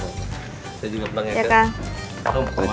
saya juga pulang ya